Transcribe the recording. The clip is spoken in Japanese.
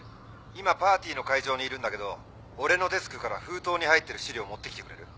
今パーティーの会場にいるんだけど俺のデスクから封筒に入ってる資料持ってきてくれる？